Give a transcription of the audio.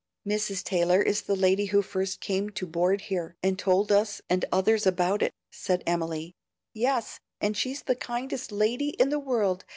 "Mrs. Taylor is the lady who first came to board here, and told us and others about it," said Emily. "Yes, and she's the kindest lady in the world!